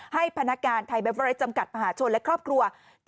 ให้พนักการณ์ไทยเบเวอร์ไลน์จำกัดมหาชนและครอบครัว